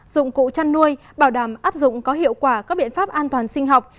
dụng cụ chăn nuôi bảo đảm áp dụng có hiệu quả các biện pháp an toàn sinh học